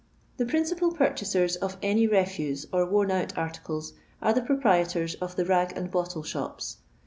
The principal purchasers of any refuse or worn out articles are the proprietors of the rag and bottle shops.